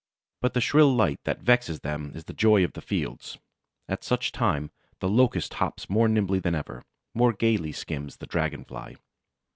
But the shrill light that vexes them is the joy of the fields. At such time, the Locust hops more nimbly than ever, more gayly skims the Dragon fly.